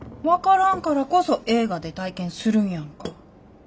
分からんからこそ映画で体験するんやんか。